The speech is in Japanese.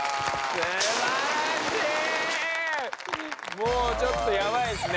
もうちょっとやばいっすね。